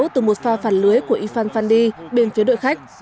từ một pha phản lưới của yifan fandi bên phía đội khách